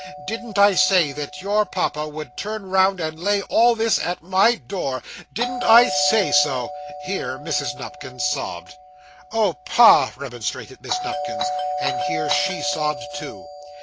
'Didn't I say that your papa would turn round and lay all this at my door? Didn't I say so?' Here Mrs. Nupkins sobbed. 'Oh, pa!' remonstrated Miss Nupkins. And here she sobbed too.